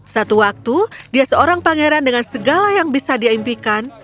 satu waktu dia seorang pangeran dengan segala yang bisa dia impikan